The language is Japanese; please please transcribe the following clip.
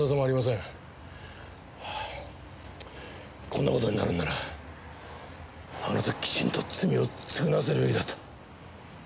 こんな事になるならあの時きちんと罪を償わせるべきだった。